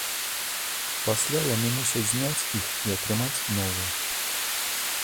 Пасля яны мусяць зняць іх і атрымаць новыя.